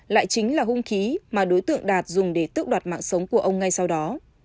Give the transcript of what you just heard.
lại chính là hung khí mà đối tượng đạt dùng để tước đoạt mạng sống của ông ngay sau đó